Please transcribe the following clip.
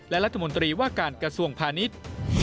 และรัฐมนตรีว่าการกระทรวงพาณิชย์